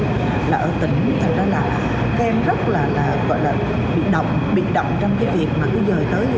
thật ra là các em rất là gọi là bị động bị động trong cái việc mà cứ dời tới dời lui